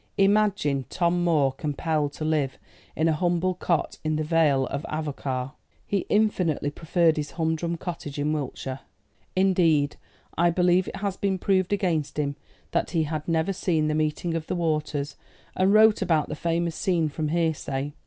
Imagine Tom Moore compelled to live in a humble cot in the Vale of Avoca! He infinitely preferred his humdrum cottage in Wiltshire. Indeed, I believe it has been proved against him that he had never seen the Meeting of the Waters, and wrote about that famous scene from hearsay.